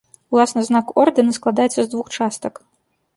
Уласна знак ордэна складаецца з двух частак.